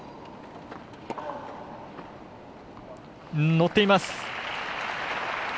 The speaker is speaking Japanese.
乗っています。